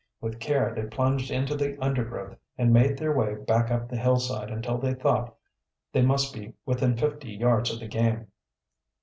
With care they plunged into the undergrowth and made their way back up the hillside until they thought they must be within fifty yards of the game.